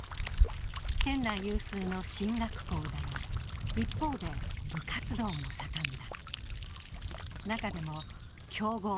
県内有数の進学校だが、一方で部活動も盛んだ。